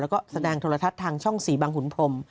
แล้วก็แสดงโทรทัศน์ทางช่อง๔บังขุนพรม